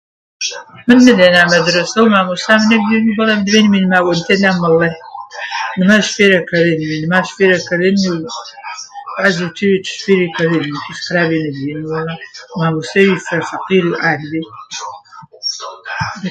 من نەلینا مەدرەسەو مامۆسام نەبیەنوو بەڵام لڤەینمێ نما وەنتەی لا مەڵەی. نماش فێرە کەرذێنمێ، نماش فێرێ کەرەذێنمێ و بەحزێڤ چێڤیش فێرێ کەرذێنمێ ئێتر خرابێ نەبیێنێ وەڵا. مامۆسیڤی فرە فەقیروو عال بێ.